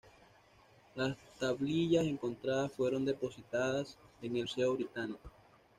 Las tablillas encontradas fueron depositadas en el Museo Británico.